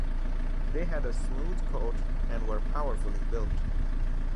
They had a smooth coat and were powerfully built.